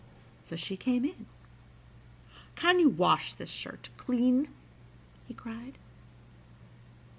So she came in. "Can you wash this shirt clean?" he cried.